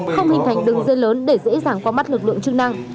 không hình thành đường dây lớn để dễ dàng qua mắt lực lượng chức năng